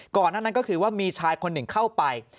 ก่อนนั้นก็คือว่ามีชายคนหนึ่งเข้าไป